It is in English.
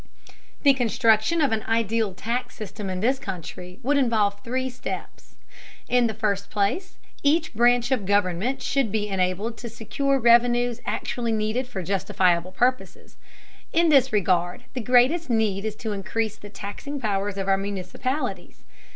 The construction of an ideal tax system in this country would involve three steps. In the first place, each branch of government should be enabled to secure revenues actually needed for justifiable purposes. In this regard the greatest need is to increase the taxing powers of our municipalities.